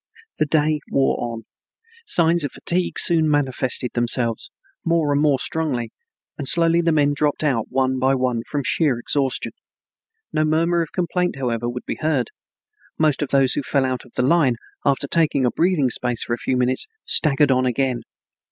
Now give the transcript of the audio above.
The day wore on. Signs of fatigue soon manifested themselves more and more strongly, and slowly the men dropped out one by one, from sheer exhaustion. No murmur of complaint, however, would be heard. Most of those who fell out of line, after taking a breathing space for a few minutes, staggered on again.